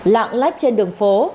lạng lách trên đường phố